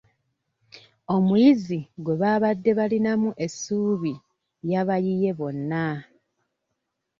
Omuyizi gwe baabadde balinamu essuubi yabayiye bonna.